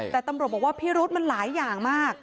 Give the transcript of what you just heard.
แต่ตำรวจบอกว่าพิรุธมันหลายอย่างมาก